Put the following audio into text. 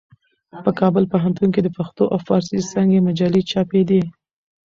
په کابل پوهنتون کې د پښتو او فارسي څانګې مجلې چاپېدې.